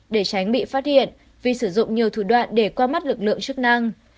để tránh bị phát hiện vi sử dụng nhiều thủ đoạn để qua mắt lực lượng chức năng